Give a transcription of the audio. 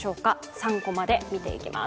３コマで見ていきます。